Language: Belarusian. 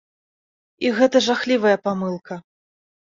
І гэта жахлівая памылка.